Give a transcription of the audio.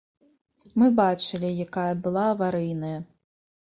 Мы бачылі, якая была аварыйная.